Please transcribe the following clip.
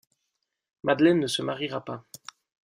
Madeleine ne se mariera pas.